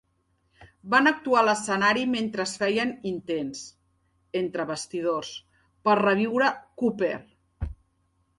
Van actuar a l'escenari mentre es feien intents, entre bastidors, per reviure Cooper.